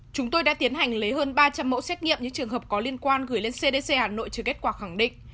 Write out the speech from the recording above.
chúng tôi đã tiến hành lấy hơn ba trăm linh mẫu xét nghiệm những trường hợp có liên quan gửi lên cdc hà nội trừ kết quả khẳng định